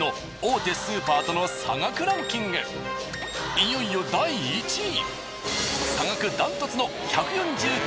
いよいよ第１位。